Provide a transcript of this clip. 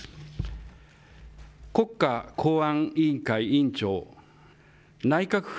国家公安委員会委員長、内閣府